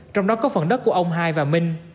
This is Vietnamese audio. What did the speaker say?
trong đó có phần đất của ông hai và minh